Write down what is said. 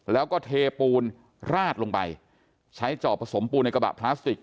แล้วก็เทปูนราดลงไปใช้จอบผสมปูนในกระบะพลาสติก